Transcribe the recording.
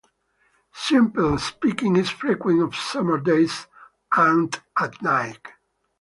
Simply speaking, is frequent on summer days and at night.